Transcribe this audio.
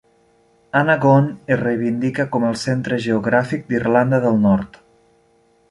Annaghone es reivindica com el centre geogràfic d'Irlanda del Nord.